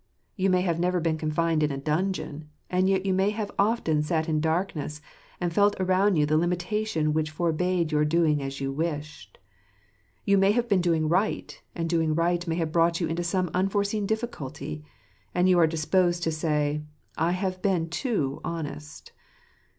You may have never been confined in a dungeon ; and yet you may have often sat in darkness, and felt around you the limitation which forbade your doing as you wished. You may have been domg w right, and doing righTlnayHfiive brought you into some unforeseen difficulty; and you are disposed to say, "I have been too honest."